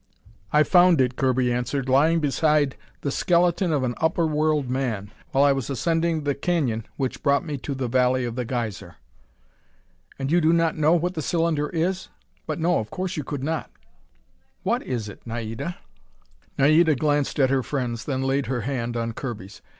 "I found it," Kirby answered, "lying beside the skeleton of an upper world man, while I was ascending the canyon which brought me to the Valley of the Geyser." "And you do not know what the cylinder is? But no, of course you could not." "What is it, Naida?" Naida glanced at her friends, then laid her hand on Kirby's.